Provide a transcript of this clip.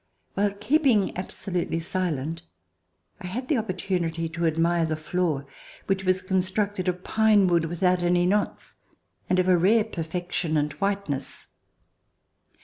While keeping absolutely silent, I had the opportunity to admire the floor, which was constructed of pine wood, without any knots, and of a rare perfection and whiteness.